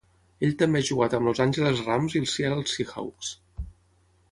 Ell també ha jugat amb Los Angeles Rams i els Seattle Seahawks.